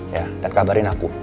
ya dan kabarin aku